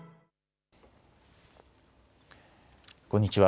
こんにちは。